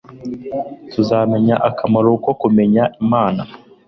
tuzabona akamaro ko kumenya imana